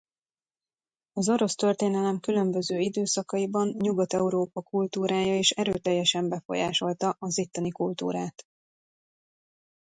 Az orosz történelem különböző időszakaiban Nyugat-Európa kultúrája is erőteljesen befolyásolta az itteni kultúrát.